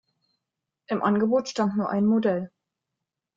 Im Angebot stand nur ein Modell.